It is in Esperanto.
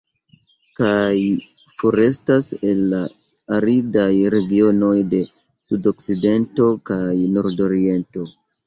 Kaj forestas el la aridaj regionoj de Sudokcidento kaj de Nordoriento.